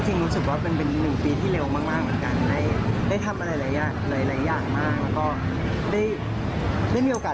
จริงรู้สึกว่าเป็น๑ปีที่เร็วมากเหมือนกัน